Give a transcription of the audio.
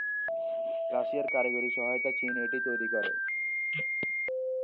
রাশিয়ার কারিগরি সহায়তায় চীন এটি তৈরি করে।